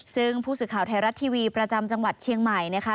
ซึ่งผู้สื่อข่าวไทยรัฐทีวีประจำจังหวัดเชียงใหม่นะคะ